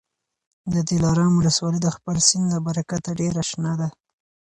د دلارام ولسوالي د خپل سیند له برکته ډېره شنه ده.